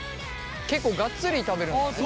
結構がっつり食べるんだね。